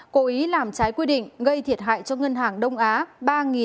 cố ý làm trái quy định gây thiệt hại cho ngân hàng đông á ba sáu trăm linh tám tháng